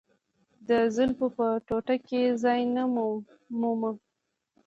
د زلفو په ټوټه کې ځای نه مومم.